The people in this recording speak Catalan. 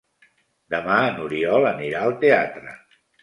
Demà n'Oriol anirà al teatre.